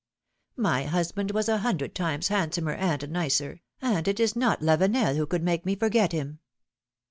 My husband was a hundred times handsomer and nicer, and it is not Lavenel who could make me forget him."